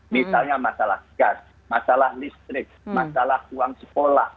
misalnya masalah gas masalah listrik masalah uang sekolah